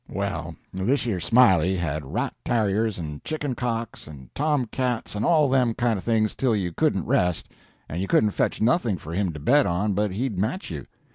"Well, thish yer Smiley had rat tarriers, and chicken cocks, and tomcats and all them kind of things, till you couldn't rest, and you couldn't fetch nothing for him to bet on but he'd match you.